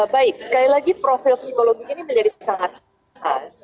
baik sekali lagi profil psikologis ini menjadi sangat khas